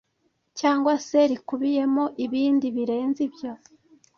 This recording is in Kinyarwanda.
Cyangwa se rikubiyemo ibindi birenze ibyo